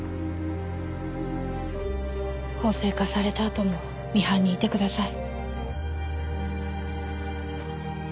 法制化された後もミハンにいてください。